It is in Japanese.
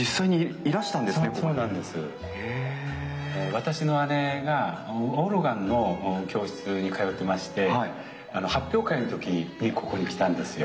私の姉がオルガンの教室に通ってまして発表会の時にここに来たんですよ。